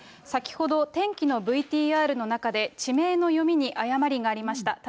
先ほど天気のＶＴＲの中で地名の読みに誤りがありました。